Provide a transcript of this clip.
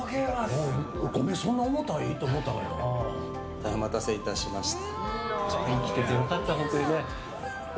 大変お待たせいたしました。